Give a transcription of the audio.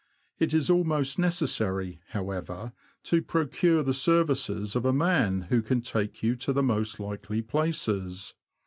It is almost necessary, however, to procure the services of a man who can take you to the most likely places.